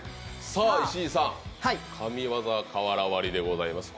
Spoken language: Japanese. さあ石井さん、神業瓦割りでございます。